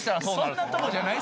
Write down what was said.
そんなとこじゃない。